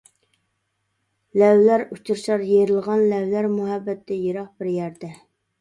لەۋلەر ئۇچرىشار، يېرىلغان لەۋلەر، مۇھەببەتتىن يىراق بىر يەردە.